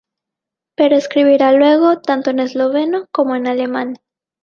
Pero escribirá luego tanto en esloveno como en alemán.